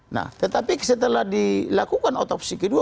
nah tetapi setelah dilakukan otopsi kedua